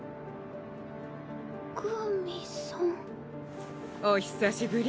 クウミさん？お久しぶり。